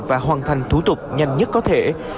và hoàn thành thủ tục nhanh nhất có thể